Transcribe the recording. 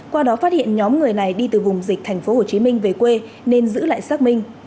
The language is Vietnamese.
qua đó phát hiện nhóm người này đi từ vùng dịch tp hồ chí minh về quê nên giữ lại xác minh